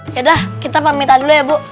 yaudah kita pamitkan dulu ya bu